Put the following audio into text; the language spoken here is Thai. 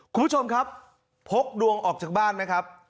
คุณผู้ชมครับพกดวงออกจากบ้านไหมครับ